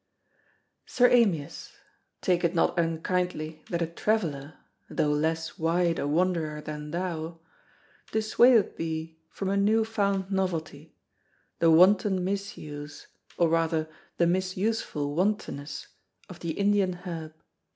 SIR AMYAS,—Take it not unkindly that a traveller (though less wide a wanderer than thou) dissuadeth thee from a new found novelty—the wanton misuse, or rather the misuseful wantonness, of the Indian herb.